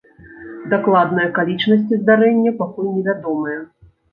Дакладныя акалічнасці здарэння пакуль невядомыя.